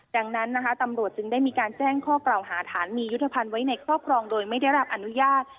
ดังนั้นนะคะตำรวจจึงได้มีการแจ้งข้อกล่าวหาฐานมียุทธภัณฑ์ไว้ในครอบครองโดยไม่ได้รับอนุญาต